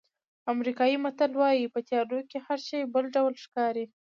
امریکایي متل وایي په تیارو کې هر شی بل ډول ښکاري.